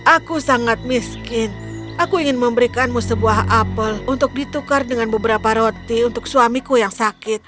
aku sangat miskin aku ingin memberikanmu sebuah apel untuk ditukar dengan beberapa roti untuk suamiku yang sakit